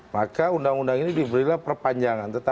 maka undang undang ini diberilah perpanjangan